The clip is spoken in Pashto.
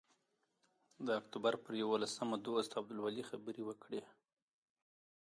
د اکتوبر پر یوولسمه دوست عبدالولي خبرې وکړې.